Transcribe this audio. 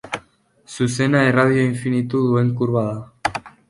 Zuzena erradio infinitu duen kurba da.